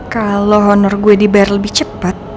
kalau honor gue dibayar lebih cepat